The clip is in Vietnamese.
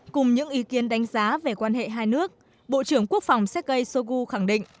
cùng những ý kiến đánh giá về quan hệ hai nước bộ trưởng quốc phòng sergei shoigu khẳng định